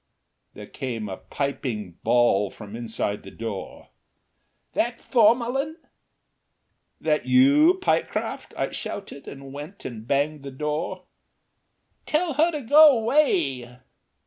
There came a piping bawl from inside the door: "That Formalyn?" "That you, Pyecraft?" I shouted, and went and banged the door. "Tell her to go away."